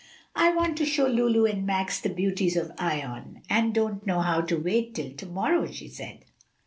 "I want to show Lulu and Max the beauties of Ion, and don't know how to wait till to morrow," she said.